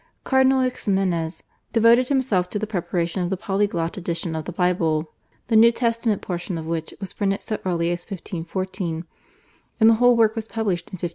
Cardinal Ximenez devoted himself to the preparation of the Polyglot edition of the Bible, the New Testament portion of which was printed so early as 1514, and the whole work was published in 1522.